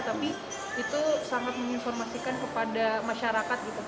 tapi itu sangat menginformasikan kepada masyarakat